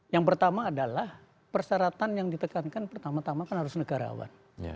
yang pertama adalah persyaratan yang ditekankan pertama tama kan harus negarawan